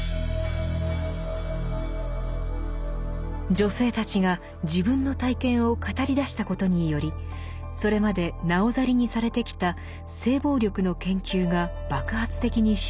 女性たちが自分の体験を語りだしたことによりそれまでなおざりにされてきた性暴力の研究が爆発的に進展。